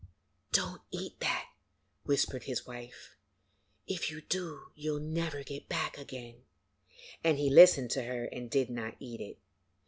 'Don't eat that,' whispered his wife, 'if you do, you will never get back again'; and he listened to her and did not eat it.